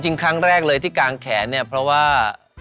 ครั้งแรกเลยที่กางแขนเนี่ยเพราะว่า